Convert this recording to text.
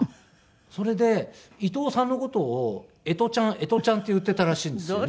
それで伊東さんの事を「エトちゃんエトちゃん」って言っていたらしいんですよね。